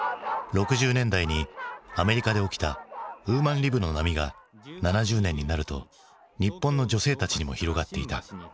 ６０年代にアメリカで起きたウーマンリブの波が７０年になると日本の女性たちにも広がっていた。